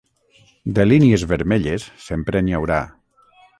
De línies vermelles sempre n’hi haurà.